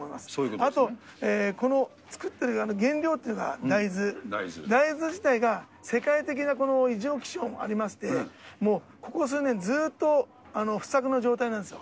あと、この作ってる原料っていうのは大豆、大豆自体が世界的な異常気象もありまして、もうここ数年ずっと、不作の状態なんですよ。